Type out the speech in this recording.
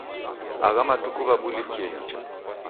Agha matuku wabulukie nicha.